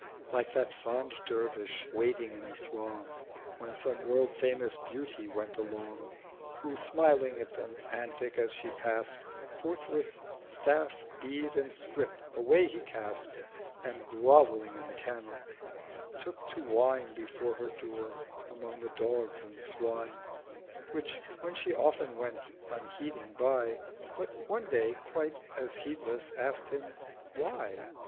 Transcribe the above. Like that fond Dervish waiting in the throng When some World famous Beauty went along, Who smiling on the Antic as she pass'd—240 Forthwith Staff, Bead and Scrip away he cast, And grovelling in the Kennel, took to whine Before her Door among the Dogs and Swine. Which when she often went unheeding by, But one day quite as heedless ask'd him—'Why?'